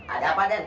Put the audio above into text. ada apa den